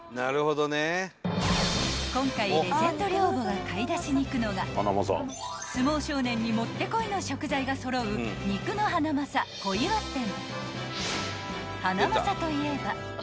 ［今回レジェンド寮母が買い出しに行くのが相撲少年にもってこいの食材が揃う肉のハナマサ小岩店］